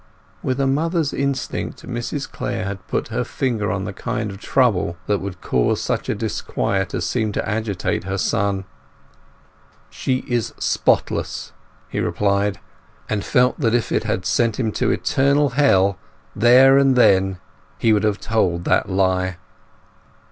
With a mother's instinct Mrs Clare had put her finger on the kind of trouble that would cause such a disquiet as seemed to agitate her son. "She is spotless!" he replied; and felt that if it had sent him to eternal hell there and then he would have told that lie.